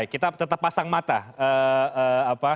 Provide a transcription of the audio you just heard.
kita tetap pasang mata dengan jadwal pemilu dua ribu dua puluh empat